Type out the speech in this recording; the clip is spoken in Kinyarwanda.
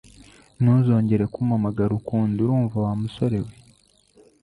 Ntuzongere kumpamagara ukundi urumva w'amusore we.